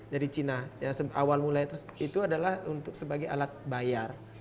jadi cina awal mulanya itu adalah sebagai alat bayar